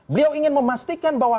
beliau ingin memastikan bahwa